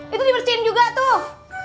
itu dibersihin juga tuh